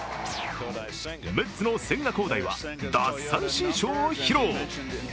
メッツの千賀滉大は奪三振ショーを披露。